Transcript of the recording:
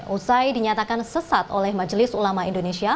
usai dinyatakan sesat oleh majelis ulama indonesia